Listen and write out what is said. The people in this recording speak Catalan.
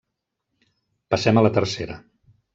Passem a la tercera.